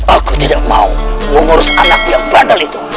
aku tidak mau mengurus anak yang batal itu